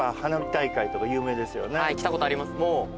来たことあります。